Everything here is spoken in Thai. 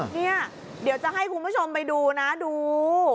เนี่ยเดี๋ยวจะให้คุณผู้ชมไปดูนะดู